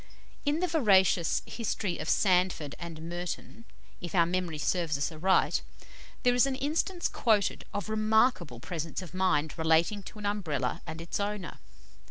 '" In the veracious "History of Sandford and Merton," if our memory serves us aright, there is an instance quoted of remarkable presence of mind relating to an Umbrella and its owner.